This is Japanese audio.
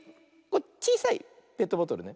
ちいさいペットボトルね。